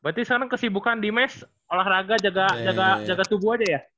berarti sekarang kesibukan di mes olahraga jaga tubuh aja ya